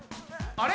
あれ？